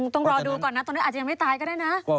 ต้องรอดูก่อนนะตอนนี้อาจจะยังไม่ตายก็ได้นะ